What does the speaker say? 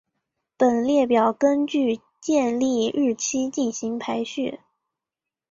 本列表根据建立日期进行排序。